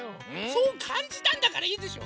そうかんじたんだからいいでしょ！